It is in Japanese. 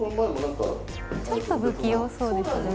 ちょっと不器用そうですよね。